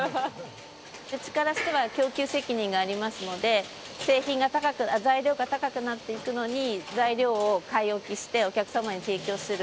うちからしたら供給責任がありますので、材料が高くなっていくのに、材料を買い置きして、お客様に提供する。